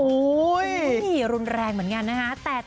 โอ้ยยโดนแรงเหมือนกันนะคะ